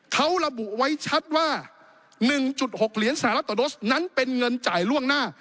เขาระบุไว้ชัดว่า๑๖เหรียญสหรัฐต่อโดสนั้นเป็นเงินจ่ายล่วงหน้า